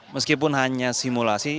meskipun hanya simulasi